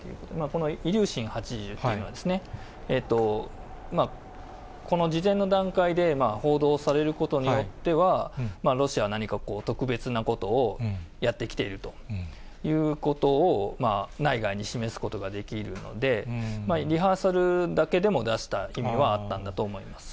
このイリューシン８０というのはですね、この事前の段階で報道されることによっては、ロシアは何かこう、特別なことをやってきているということを、内外に示すことができるので、リハーサルだけでも出した意味はあったんだと思います。